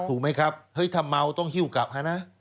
ถูกไหมครับเฮ้ยถ้าเมาต้องหิ้วกลับฮะนะ